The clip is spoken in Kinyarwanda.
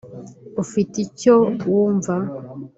ufite icyo wumva